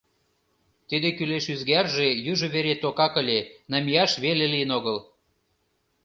Тиде кӱлеш ӱзгарже южо вере токак ыле, намияш веле лийын огыл.